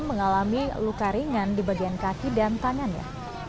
mengalami luka ringan di bagian kaki dan tangannya